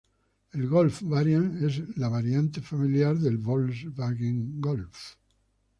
El Golf Variant es la variante familiar del Volkswagen Golf.